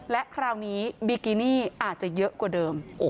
และคราวนี้บิกินี่อาจจะเยอะกว่าเดิม